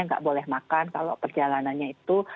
nggak boleh makan kalau perjalanannya itu